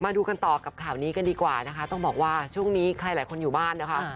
ดูกันต่อกับข่าวนี้กันดีกว่านะคะต้องบอกว่าช่วงนี้ใครหลายคนอยู่บ้านนะคะ